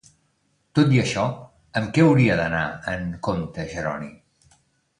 Tot i això, amb què hauria d'anar amb compte Jeroni?